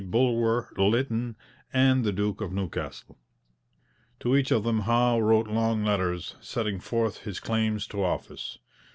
Bulwer Lytton, and the Duke of Newcastle. To each of them Howe wrote long letters setting forth his claims to office.